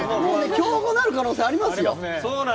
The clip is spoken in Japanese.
競合になる可能性ありますよ。